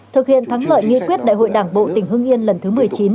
thực hiện thắng lợi nghị quyết đại hội đảng bộ tỉnh hưng yên lần thứ một mươi chín